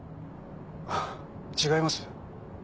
違います？